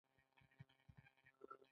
مجازات د اصلاح لپاره دي